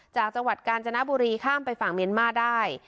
จากจังหวัดกาญจนบุรีข้ามไปฝั่งเมียนมาร์ได้